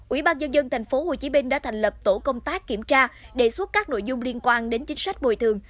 ubnd tp hcm đã thành lập tổ công tác kiểm tra đề xuất các nội dung liên quan đến chính sách bồi thường